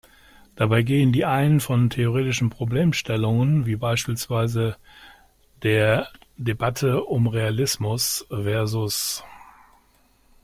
Dabei gehen die einen von theoretischen Problemstellungen, wie beispielsweise der Debatte um Realismus vs.